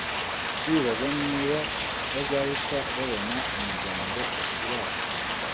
bibaza niba bazahita babona imiryango ibakira